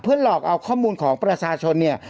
หลอกเอาข้อมูลของประชาชนเนี่ย